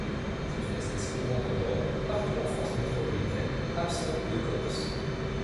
C'est une espèce courante en Europe, partout en France métropolitaine, absente de Corse.